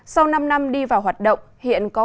sau năm năm đi vào hoạt động hiện có